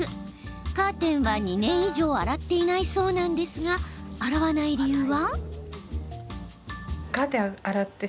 カーテンは２年以上洗っていないそうなんですが洗わない理由は。